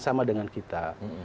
sama dengan kita